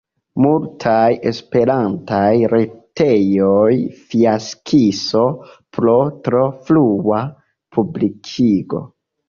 Multaj esperantaj retejoj fiaskis pro tro frua publikigo.